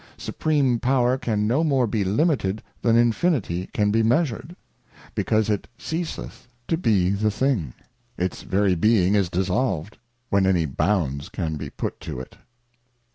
Supreme Power can no more be limited than Infinity can be measured; because it ceaseth to be the thing ; its very being is dissolved, when any bounds can be put to it.